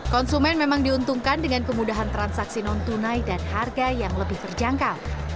konsumen memang diuntungkan dengan kemudahan transaksi non tunai dan harga yang lebih terjangkau